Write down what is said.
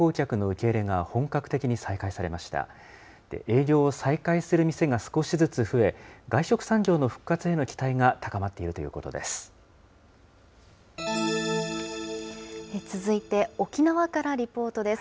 営業を再開する店が少しずつ増え、外食産業の復活への期待が高まっているということです。